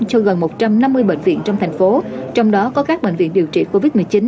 cho gần một trăm năm mươi bệnh viện trong thành phố trong đó có các bệnh viện điều trị covid một mươi chín